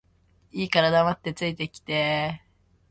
いいから黙って着いて来て